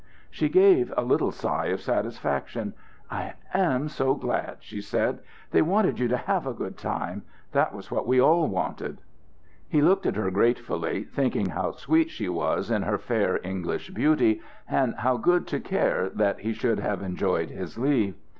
She gave a little sigh of satisfaction, "I am so glad," she said. "They wanted you to have a good time that was what we all wanted." He looked at her gratefully, thinking how sweet she was in her fair English beauty, and how good to care that he should have enjoyed his leave.